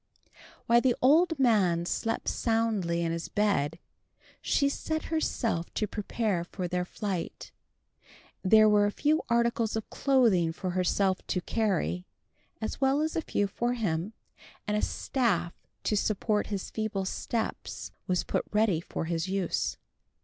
While the old man slept soundly in his bed, she set herself to prepare for their flight. There were a few articles of clothing for herself to carry, as well as a few for him; and a staff to support his feeble steps was put ready for his use.